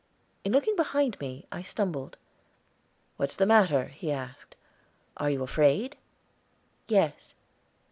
In looking behind me, I stumbled. "What's the matter?" he asked. "Are you afraid?" "Yes."